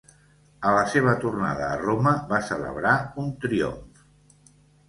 A la seva tornada a Roma va celebrar un triomf.